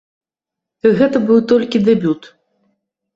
Гэта быў толькі дэбют.